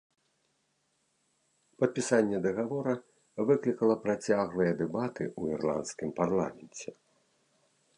Падпісанне дагавора выклікала працяглыя дэбаты ў ірландскім парламенце.